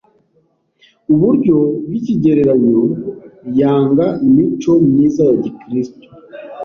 uburyo bwikigereranyo yanga imico myiza ya gikristo